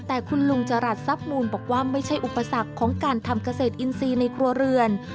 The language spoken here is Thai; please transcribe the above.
แต่คุณลุงจรัสทรัพย์มูลบอกว่าไม่ใช่อุปสรรคของการทำเกษตรอินทรีย์ในครัวเรือน